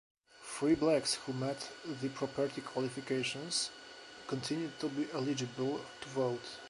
Free blacks who met the property qualifications continued to be eligible to vote.